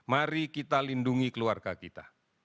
mari kita lindungi keluarga kita